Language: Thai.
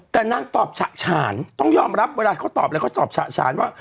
แต่นางตอบฉะฉานต้องยอมรับเวลาเขาตอบอะไรเขาตอบฉะฉานว่า